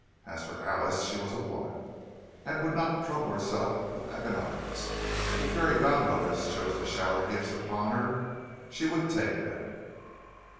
As for Alice, she was a woman, and would not trouble herself with economics; if fairy godmothers chose to shower gifts upon her, she would take them.